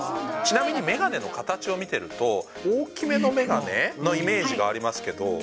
ちなみにメガネの形を見てると、大きめのメガネのイメージがありますけど。